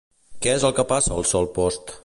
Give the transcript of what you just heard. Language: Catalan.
Què és el que passa al sol post?